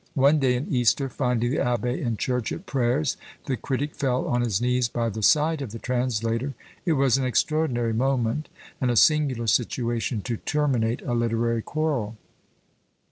One day in Easter, finding the abbé in church at prayers, the critic fell on his knees by the side of the translator: it was an extraordinary moment, and a singular situation to terminate a literary quarrel.